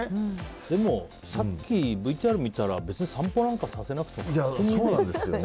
でも、さっきＶＴＲを見たら別に散歩なんてさせなくても。